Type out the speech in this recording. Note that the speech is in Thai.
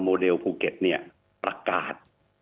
เลภูเก็ตเนี่ยประกาศ